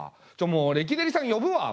もうレキデリさん呼ぶわもう。